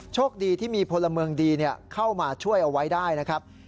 โชคดีที่มีพลเมืองดีเข้ามาช่วยเอาไว้ได้นะครับ